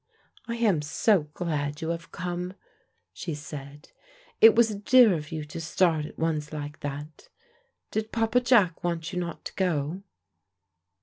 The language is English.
"I am so glad you have come," she said; "it was dear of you to start at once like that. Did Papa Jack want you not to go?"